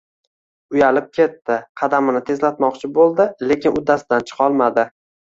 Uyalib ketdi, qadamini tezlatmoqchi boʻldi, lekin uddasidan chiqolmadi